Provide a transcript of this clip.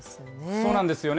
そうなんですよね。